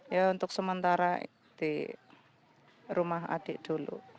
ya untuk sementara di rumah adik dulu